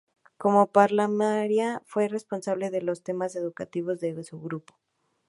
Como parlamentaria fue responsable de los temas educativos de su grupo.